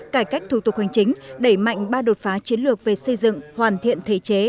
cải cách thủ tục hành chính đẩy mạnh ba đột phá chiến lược về xây dựng hoàn thiện thể chế